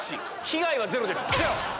被害はゼロです。